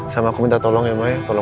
sama aku minta tolong ya mbak ya